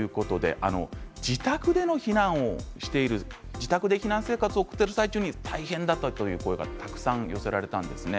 自宅で避難生活を送っている最中に大変だったという声がたくさん寄せられたんですね。